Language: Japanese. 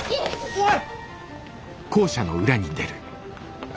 おい！